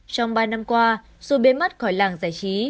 trong ba năm qua dù bế mắt khỏi làng giải trí